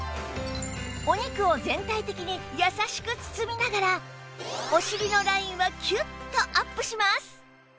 お肉を全体的に優しく包みながらお尻のラインはキュッとアップします！